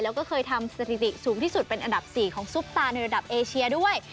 แล้วก็เคยทำสถิติสูงที่สุดเป็นอันดับ๔ของซุปตาในระดับเอเชียด้วย